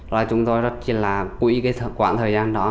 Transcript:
rồi chúng tôi rất là quỹ cái quãng thời gian đó